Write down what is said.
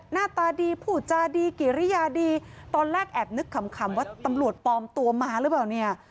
หน้าตาดีผู้จาดีกิริยาดีตอนแรกแอบนึกขำว่าตำรวจปลอมตัวมาหรือเปล่าเนี่ย